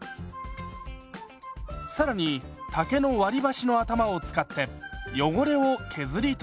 更に竹の割り箸の頭を使って汚れを削り取ります。